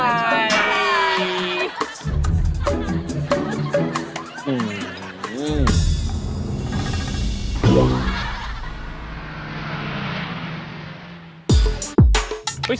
ช่วงใคร